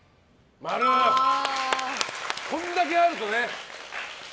これだけあるとね。